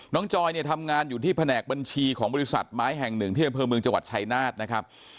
จอยเนี่ยทำงานอยู่ที่แผนกบัญชีของบริษัทไม้แห่งหนึ่งที่อำเภอเมืองจังหวัดชายนาฏนะครับ